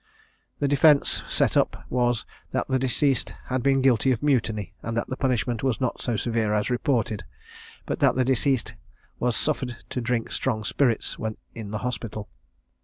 The defence set up was, that the deceased had been guilty of mutiny, and that the punishment was not so severe as reported, but that the deceased was suffered to drink strong spirits when in the hospital.